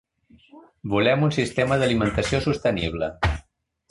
Volem un sistema d'alimentació sostenible.